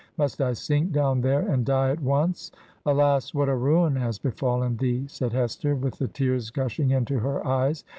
Must I sink down there, and die at once?' ' Alas, what a ruin has befallen thee I' said Hester, with the tears gushing into her eyes.